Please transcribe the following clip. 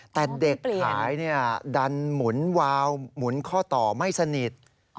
แต่เด็กขายดันหมุนวาวหมุนข้อต่อไม่สนิท